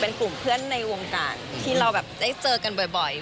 เป็นกลุ่มเพื่อนในวงการที่เราแบบได้เจอกันบ่อย